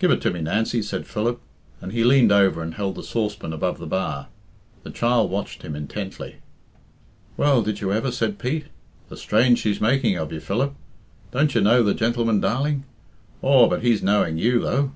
"Give it to me, Nancy," said Philip, and he leaned over and held the saucepan above the bar. The child watched him intently. "Well, did you ever?" said Pete. "The strange she's making of you, Philip? Don't you know the gentleman, darling? Aw, but he's knowing you, though."